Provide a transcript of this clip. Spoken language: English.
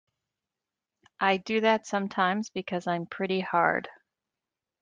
I do that sometimes because I'm pretty hard.